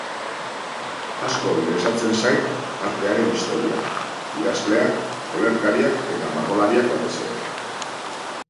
Asko interesatzen zait artearen historia, idazleak, olerkariak eta margolariak batez ere.